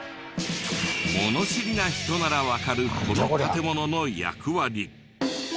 もの知りな人ならわかるこの建物の役割。